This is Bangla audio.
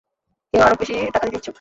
কেউ আরো বেশি টাকা দিতে ইচ্ছুক?